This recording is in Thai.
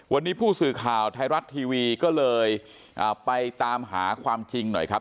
วันนี้ผู้สื่อข่าวไทยรัฐทีวีก็เลยไปตามหาความจริงหน่อยครับ